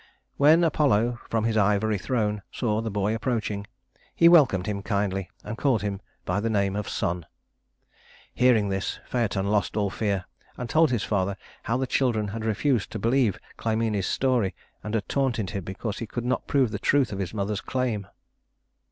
When Apollo, from his ivory throne, saw the boy approaching, he welcomed him kindly and called him by the name of son. Hearing this, Phaëton lost all fear, and told his father how the children had refused to believe Clymene's stories, and had taunted him because he could not prove the truth of his mother's claim.